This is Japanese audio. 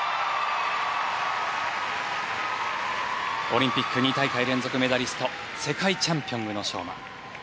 オリンピック２大会連続メダリスト世界チャンピオン、宇野昌磨。